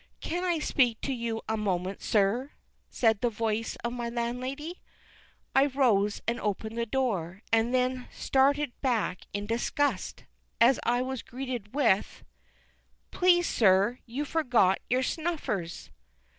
"Can I speak to you a moment, sir?" said the voice of my landlady. I rose and opened the door, and then started back in disgust, as I was greeted with "Please, sir, you forgot your snuffers!"